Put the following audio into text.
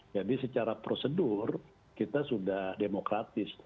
jadi secara prosedur kita sudah demokratis